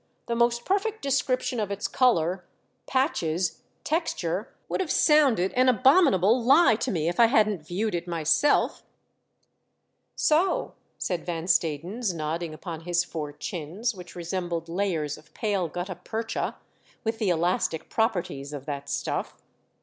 The most perfect description of its colour, patches, texture would have sounded an abominable lie to me if I hadn't viewed it myself" " So," said Van Stadens, nodding upon his four chins, which resembled layers of pale gutta percha, with the elastic properties of that stuff.